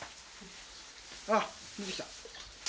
あ、出てきた。